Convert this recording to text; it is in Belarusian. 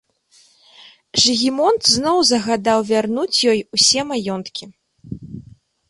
Жыгімонт зноў загадаў вярнуць ёй усе маёнткі.